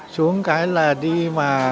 xuống cái là đi mà